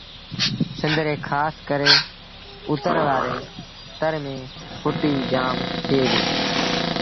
سنڌ ري کآس ڪري اُتر وآري تر ميݩ ڦُٽيٚ جآم ٿئي دي